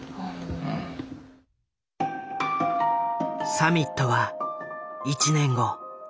サミットは１年後。